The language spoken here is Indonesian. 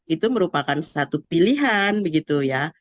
itu merupakan satu pilihan begitu ya